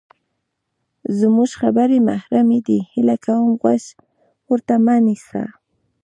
زمونږ خبرې محرمې دي، هیله کوم غوږ ورته مه نیسه!